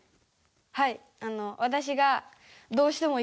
はい。